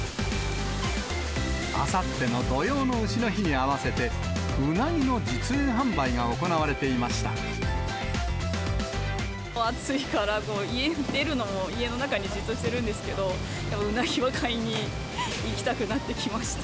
あさっての土用のうしの日に合わせて、うなぎの実演販売が行われ暑いから、家出るのも、家の中にじっとしてるんですけど、うなぎは買いに行きたくなって来ました。